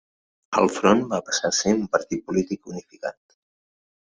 El Front va passar a ser un partir polític unificat.